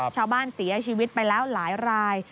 ชาวบ้านเสียชีวิตไปแล้วหลายราย